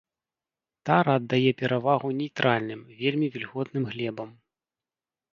Тара аддае перавагу нейтральным, вельмі вільготным глебам.